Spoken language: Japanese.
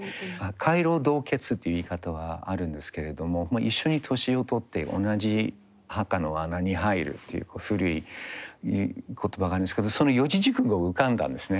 「偕老同穴」って言い方があるんですけれども一緒に年を取って同じ墓の穴に入るっていう古い言葉があるんですけどその四字熟語が浮かんだんですね。